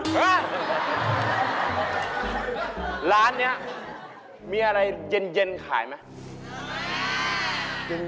ฮะร้านนี้มีอะไรเย็นขายไหม